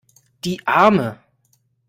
Die Arme!